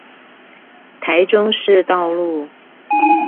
台中市道路